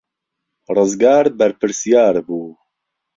ڕزگار بەرپرسیار بوو.